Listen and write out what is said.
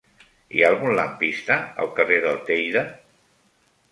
Hi ha algun lampista al carrer del Teide?